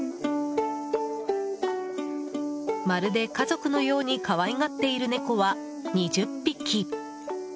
まるで家族のように可愛がっている猫は２０匹。